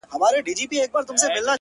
چي په دنيا کي محبت غواړمه’